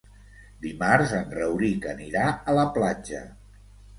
Dimarts en Rauric anirà a la platja.